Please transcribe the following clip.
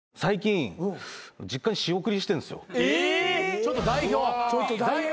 ちょっと代表。